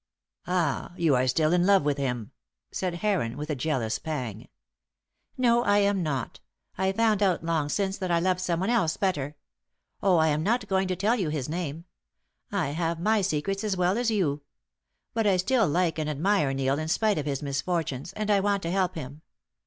"Ah! You are still in love with him!" said Heron, with a jealous pang. "No, I am not. I found out long since that I loved someone else better. Oh, I am not going to tell you his name. I have my secrets as well as you. But I still like and admire Neil in spite of his misfortunes, and I want to help him.